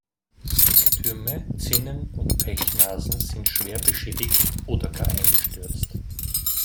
Ecktürme, Zinnen und Pechnasen sind schwer beschädigt oder gar eingestürzt.